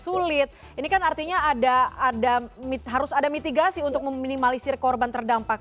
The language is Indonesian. sulit ini kan artinya harus ada mitigasi untuk meminimalisir korban terdampak